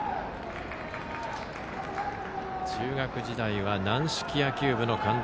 中学時代は軟式野球部の監督。